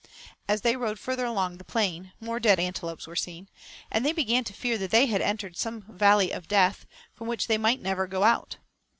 As they rode farther along the plain, more dead antelopes were seen, and they began to fear that they had entered some valley of death, from which they might never go out.